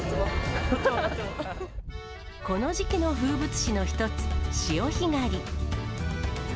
この時期の風物詩の一つ、潮干狩り。